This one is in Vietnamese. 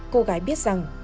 cô gái biết rằng